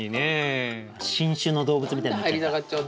新種の動物みたいになっちゃった。